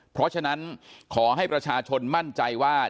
เพราะฉะนั้นขอให้ประชาชนมั่นใจว่า